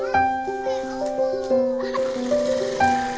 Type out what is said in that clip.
jangan gitu jangan